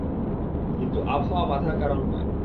কিন্তু আবহাওয়া বাঁধার কারণ হয়।